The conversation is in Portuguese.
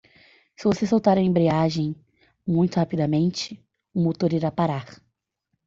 Se você soltar a embreagem muito rapidamente?, o motor irá parar.